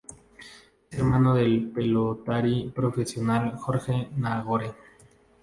Es hermano del pelotari profesional Jorge Nagore.